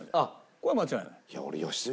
これは間違いない。